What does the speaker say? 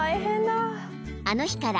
［あの日から］